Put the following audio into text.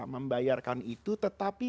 membayarkan itu tetapi